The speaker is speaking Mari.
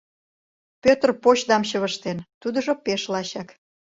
Пӧтыр почдам чывыштен, тудыжо пеш лачак.